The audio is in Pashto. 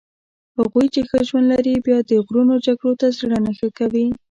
هغوی چې ښه ژوند لري بیا د غرونو جګړو ته زړه نه ښه کوي.